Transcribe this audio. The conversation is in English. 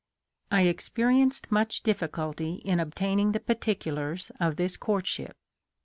I experienced much difficulty in obtaining the particulars of this court ship.